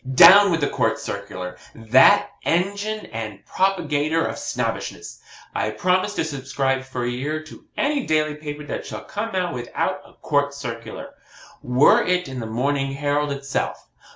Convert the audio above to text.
Down with the COURT CIRCULAR that engine and propagator of Snobbishness! I promise to subscribe for a year to any daily paper that shall come out without a COURT CIRCULAR were it the MORNING HERALD itself.